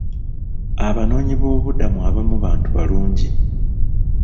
Abanoonyi b'obubudamu abamu bantu balungi.